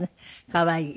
可愛い。